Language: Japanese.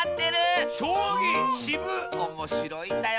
おもしろいんだよ。